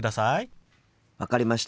分かりました。